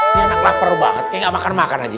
ini anak lapar banget kayak nggak makan makan aja